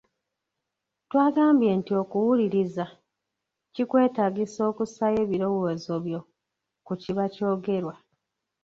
Twagambye nti okuwuliriza kikwetaagisa okussaayo ebirowoozo byo ku kiba ky’ogerwa.